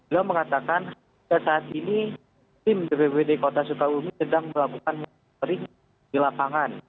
dia mengatakan saat ini tim bbbd kota sukabumi sedang melakukan monitoring di lapangan